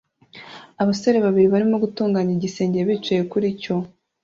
Abasore babiri barimo gutunganya igisenge bicaye kuri cyo